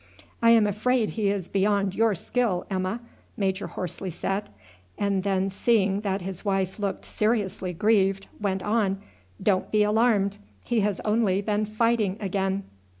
"I am afraid he is beyond your skill, Emma," Major Horsley said; and then, seeing that his wife looked seriously grieved, went on, "don't be alarmed, he has only been fighting again."